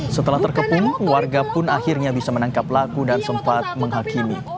setelah terkepung warga pun akhirnya bisa menangkap pelaku dan sempat menghakimi